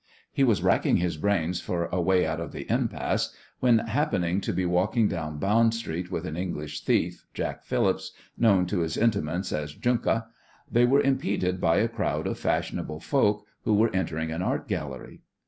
He was racking his brains for a way out of the impasse when happening to be walking down Bond Street with an English thief, Jack Phillips, known to his intimates as "Junka" they were impeded by a crowd of fashionable folk who were entering an art gallery.